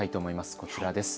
こちらです。